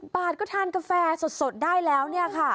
๑๐บาทก็ทานกาแฟสดได้แล้วค่ะ